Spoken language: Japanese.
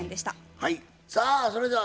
はい。